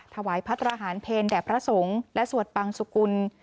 ถวายพระตรหารเพลแด่พระสงฆ์และสวดปังสุกุล